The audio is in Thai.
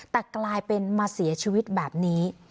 แต่กลายเป็นมาเสียชีวิตแบบนี้